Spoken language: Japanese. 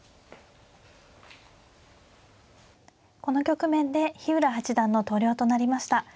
この局面で日浦八段の投了となりました。